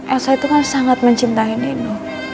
elsa itu kan sangat mencintai nu